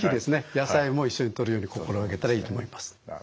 野菜も一緒にとるように心掛けたらいいと思います。